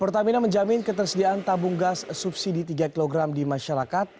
pertamina menjamin ketersediaan tabung gas subsidi tiga kg di masyarakat